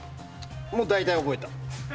もう大体覚えた。